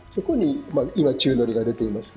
今、宙乗りが出ていますが